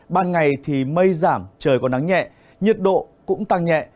ban ngày thì mây giảm trời còn nắng nhẹ